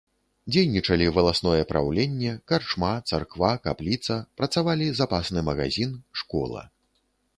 Дзейнічалі валасное праўленне, карчма, царква, капліца, працавалі запасны магазін, школа.